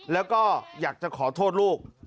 แล้วก็อยากจะขอโทษลูก